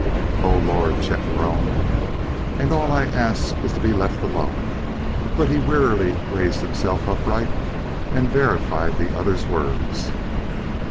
"Oh, Lord!" Chet groaned. "And all I ask is to be left alone!" But he wearily raised himself upright and verified the other's words.